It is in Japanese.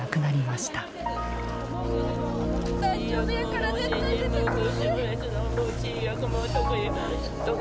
大丈夫やからね。